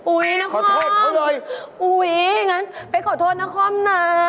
อุ๊ยนครอุ๊ยอย่างนั้นเป๊กขอโทษนครนะ